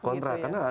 karena ada masa